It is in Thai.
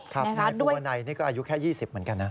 ครับนายภูวนัยนี่ก็อายุแค่๒๐เหมือนกันนะ